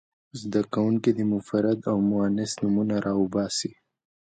زده کوونکي دې مفرد او مؤنث نومونه را وباسي.